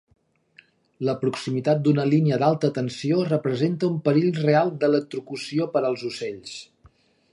La proximitat d'una línia d'alta tensió representa un perill real d'electrocució per als ocells.